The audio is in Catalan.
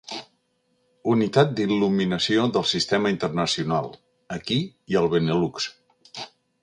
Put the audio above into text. Unitat d'il·luminació del sistema internacional, aquí i al Benelux.